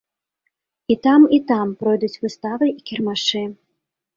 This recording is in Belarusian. І там, і там пройдуць выставы і кірмашы.